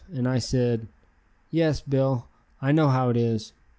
And I said, "Yes, Bill, I know how it is.